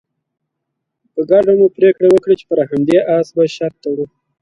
په ګډه مو پرېکړه وکړه چې پر همدې اس به شرط تړو.